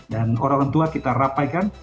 dan orang tua kita rapatkan